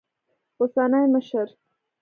اوسني مشر